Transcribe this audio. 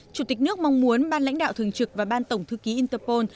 chủ tịch nước mong muốn ban lãnh đạo thường trực và ban tổng thư ký interpol